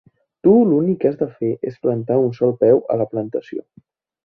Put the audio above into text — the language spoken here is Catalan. Tu l'únic que has de fer és plantar un sol peu a la plantació.